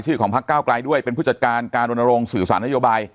ชื่อของพักก้าวกลายด้วยเป็นผู้จัดการการโดนโรงสื่อสานโยบาย